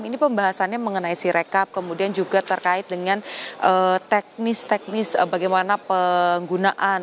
ini pembahasannya mengenai sirekap kemudian juga terkait dengan teknis teknis bagaimana penggunaan